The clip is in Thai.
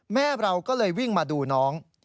แม่เราก็เลยวิ่งมาดูน้อง